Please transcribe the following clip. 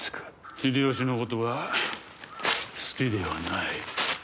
秀吉のことは好きではない。